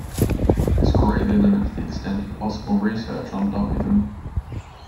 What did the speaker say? This greatly limits the extent of possible research on dubnium.